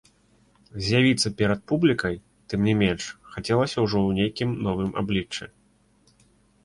З'явіцца перад публікай, тым не менш, хацелася ўжо ў нейкім новым абліччы.